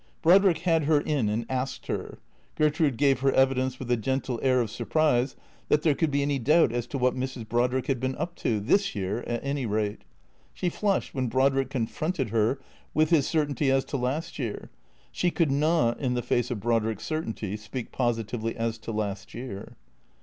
Brodrick had her in and asked her. Gertrude gave her evi dence with a gentle air of surprise that there could be any doubt as to what Mrs. Brodrick had been up to — this year, at any rate. She flushed when Brodrick confronted her with his cer tainty as to last year. She could not, in the face of Brodrick's certainty, speak positively as to last year.